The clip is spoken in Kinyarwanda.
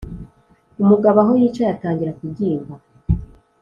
umugabo aho yicaye atangira kubyimba